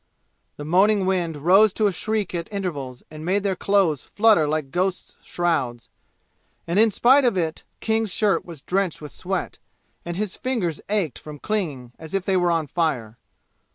The moaning wind rose to a shriek at intervals and made their clothes flutter like ghosts' shrouds, and in spite of it King's shirt was drenched with sweat, and his fingers ached from clinging as if they were on fire.